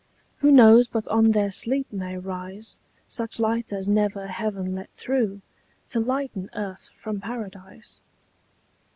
Who knows but on their sleep may rise Such light as never heaven let through To lighten earth from Paradise?